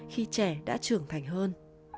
khi trẻ đã trưởng thành hơn